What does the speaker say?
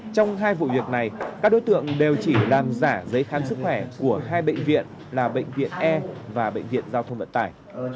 trong hai vụ việc này các đối tượng đều chỉ làm giả giấy khám sức khỏe của hai bệnh viện là bệnh viện e và bệnh viện giao thông vận tải